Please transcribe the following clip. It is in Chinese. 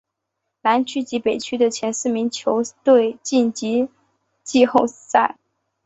南区及北区的前四名球队晋级季后赛。